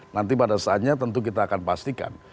nanti pada saatnya tentu kita akan pastikan